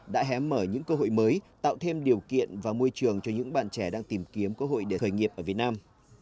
đã hém mở những cơ hội mới tạo thêm điều kiện và môi trường cho những bạn trẻ đang tìm kiếm cơ hội để khởi nghiệp ở việt nam